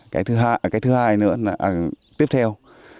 cái thứ hai nữa là tiếp theo